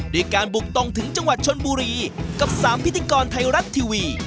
ด้วยการบุกตรงถึงจังหวัดชนบุรีกับ๓พิธีกรไทยรัฐทีวี